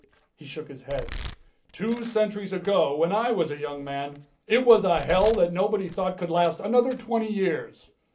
He shook his head. "Two centuries ago, when I was a young man, it was a hell that nobody thought could last another twenty years.